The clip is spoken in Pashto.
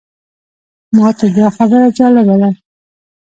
ماته دا خبره جالبه ده.